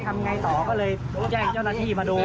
ทำไงต่อก็เลยแจ้งเจ้าหน้าที่มาดู